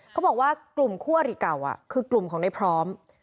เขาบอกว่ากลุ่มคู่อริเก่าคือกลุ่มของในพร้อม